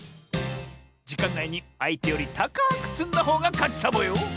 じかんないにあいてよりたかくつんだほうがかちサボよ！